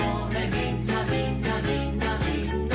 みんなみんなみんなみんな」